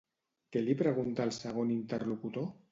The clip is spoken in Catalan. Què li pregunta el segon interlocutor?